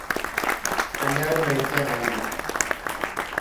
കല്യാണം കഴിക്കാൻ ആവില്ല